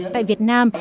tại việt nam